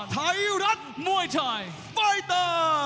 ไทรันมวยชายไฟเตอร์